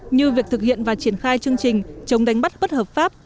như việc thực hiện và triển khai chương trình chống đánh bắt bất hợp pháp